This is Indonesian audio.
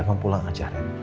kamu pulang aja ren